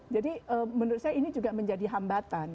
jadi menurut saya ini juga menjadi hambatan